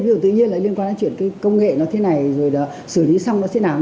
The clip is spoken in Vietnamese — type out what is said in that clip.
ví dụ tự nhiên là liên quan đến chuyện công nghệ nó thế này rồi sử lý xong nó sẽ nào